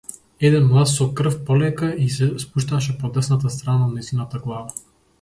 Еден млаз со крв полека ѝ се спушташе по десната страна од нејзината глава.